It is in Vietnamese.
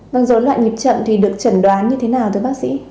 vâng dối loại nhiệp chậm thì được chẩn đoán như thế nào thưa bác sĩ